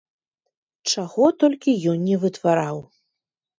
Чаго толькі ён не вытвараў!